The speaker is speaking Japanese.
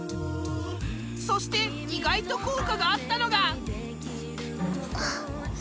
そして意外と効果があったのが。